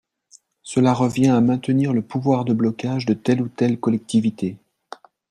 Cela revient à maintenir le pouvoir de blocage de telle ou telle collectivité.